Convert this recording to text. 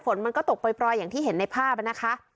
ฝนมันก็ตกปล่อยอย่างที่เห็นในภาพนะคะ